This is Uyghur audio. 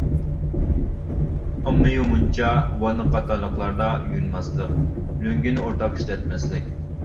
ئاممىۋى مۇنچا، ۋاننا قاتارلىقلاردا يۇيۇنماسلىق، لۆڭگىنى ئورتاق ئىشلەتمەسلىك.